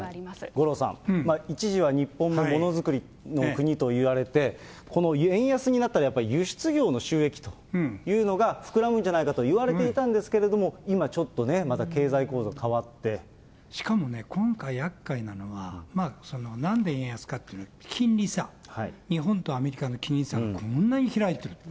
五郎さん、一時は日本、ものづくりの国といわれて、この円安になったら、やっぱり輸出業の収益というのが膨らむんじゃないかといわれていたんですけれども、今ちょっとね、しかもね、今回やっかいなのは、なんで円安かって、金利差、日本とアメリカの金利差がこんなに開いていると。